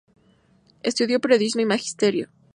Estudió periodismo y magisterio.